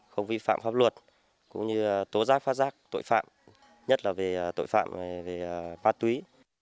không vi phạm pháp luật cũng như tố rác phát rác tội phạm nhất là về tội phạm và phát túy